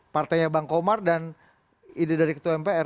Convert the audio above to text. partainya bang komar dan ide dari ketua mpr